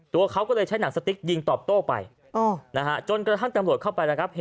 ตัวเขาก็เลยใช้หนังสติ๊กยิงตอบโต้ไปจนกระทั่งตำรวจเข้าไปนะครับ